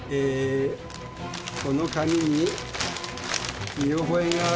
この紙に見覚えがありますね？